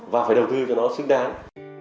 và phải đầu tư cho nó xứng đáng